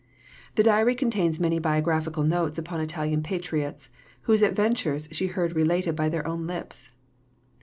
The diary contains many biographical notes upon Italian patriots, whose adventures she heard related by their own lips.